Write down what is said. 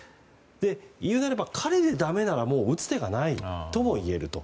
いうならば、彼でだめなら打つ手がないともいえると。